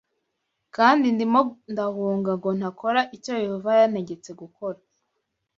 Kandi ndimo ndahunga ngo ntakora icyo Yehova yantegetse gukora